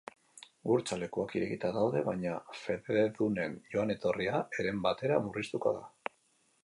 Gurtza-lekuak irekita daude, baina fededunen joan-etorria heren batera murriztuko da.